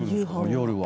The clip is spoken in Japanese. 夜は。